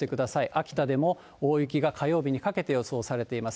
秋田でも大雪が火曜日にかけて予想されています。